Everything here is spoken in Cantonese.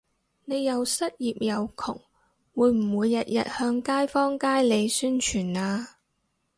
你又失業又窮會唔會日日向街坊街里宣佈吖？